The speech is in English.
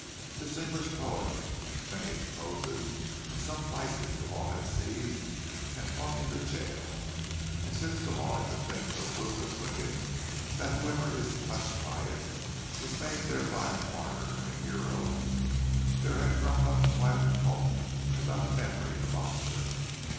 This English poet of many poses and some vices the law had seized and flung into jail; and since the law is a thing so brutal and wicked that whoever is touched by it is made thereby a martyr and a hero, there had grown up quite a cult about the memory of "Oscar."